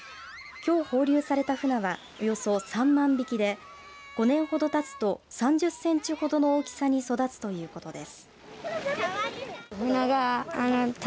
きょう放流されたフナはおよそ３万匹で５年ほどたつと３０センチほどの大きさに育つということです。